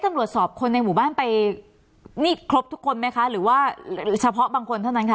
ตำรวจสอบคนในหมู่บ้านไปนี่ครบทุกคนไหมคะหรือว่าหรือเฉพาะบางคนเท่านั้นค่ะ